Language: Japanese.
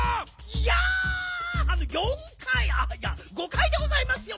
いや４かいあっいやごかいでございますよ。